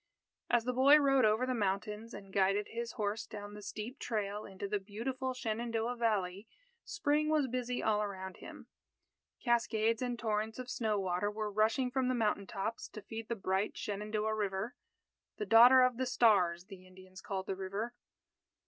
As the boy rode over the mountains, and guided his horse down the steep trail into the beautiful Shenandoah Valley, Spring was busy all around him. Cascades and torrents of snow water were rushing from the mountain tops to feed the bright Shenandoah River "The Daughter of the Stars," the Indians called the river.